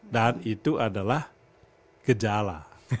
dan itu adalah gejala